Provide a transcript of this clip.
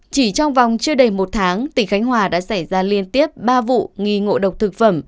chỉ trong vòng chưa đầy một tháng tỉnh khánh hòa đã xảy ra liên tiếp ba vụ nghi ngộ độc thực phẩm